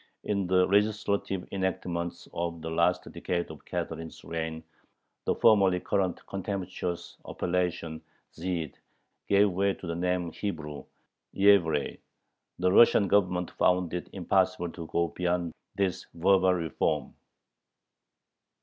In the legislative enactments of the last decade of Catherine's reign the formerly current contemptuous appellation "Zhyd" gave way to the name "Hebrew" (Yevrey). The Russian Government found it impossible to go beyond this verbal reform.